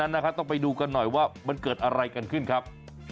นะครับต้องไปดูกันหน่อยว่ามันเกิดอะไรกันขึ้นครับ